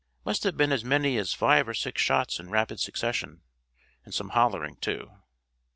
Must have been as many as five or six shots in rapid succession, and some hollering, too."